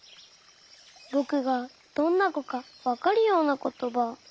ぼくがどんなこかわかるようなことば。